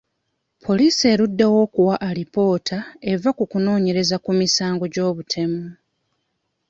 Poliisi eruddewo okuwa alipoota eva ku kunoonyereza ku misango gy'obutemu.